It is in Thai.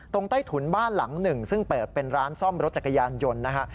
ใต้ถุนบ้านหลังหนึ่งซึ่งเปิดเป็นร้านซ่อมรถจักรยานยนต์นะฮะ